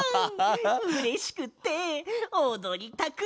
うれしくっておどりたくなってきた！